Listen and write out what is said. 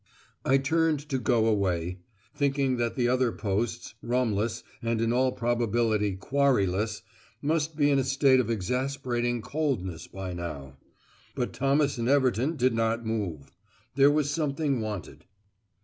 I turned to go away, thinking that the other posts, rumless, and in all probability quarryless, must be in a state of exasperating coldness by now. But Thomas and Everton did not move. There was something wanted.